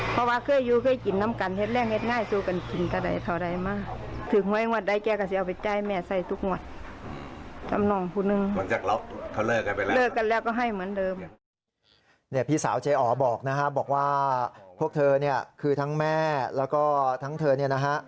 พี่สาวเจ๊อ๋อบอกนะฮะบอกว่าพวกเธอเนี่ยคือทั้งแม่แล้วก็ทั้งเธอเนี่ยนะฮะ